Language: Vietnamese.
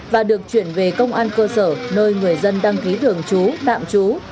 và được chuyển về công an cơ sở nơi người dân đăng ký thường chú đạm chú